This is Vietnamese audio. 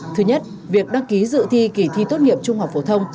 thứ nhất việc đăng ký dự thi kỳ thi tốt nghiệp trung học phổ thông